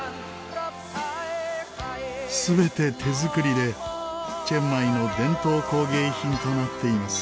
全て手作りでチェンマイの伝統工芸品となっています。